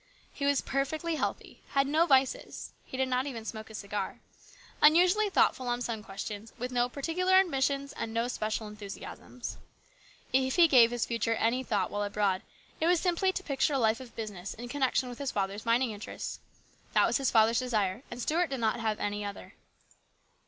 He was' perfectly healthy, had no vices (he did not even smoke a cigar), unusually thoughtful on some questions, with no particular ambitions and no special enthusiasms. If he gave his future any thought while abroad it was simply to picture a life of business in connection with his father's mining interests. That was his father's desire, and Stuart did not have any other.